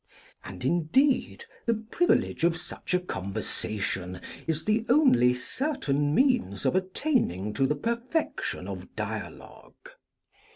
And, indeed, the privilege of such a conversation is the only certain means of attaining to the perfection of dialogue.